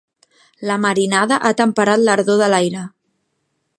La marinada ha temperat l'ardor de l'aire.